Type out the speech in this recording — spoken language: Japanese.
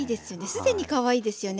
すでにかわいいですよね。